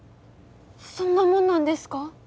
そんなもんなんですか？